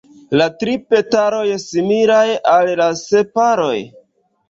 La tri petaloj similaj al la sepaloj.